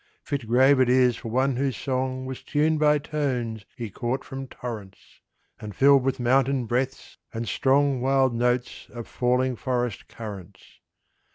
Fit grave it is for one whose song Was tuned by tones he caught from torrents, And filled with mountain breaths, and strong, Wild notes of falling forest currents.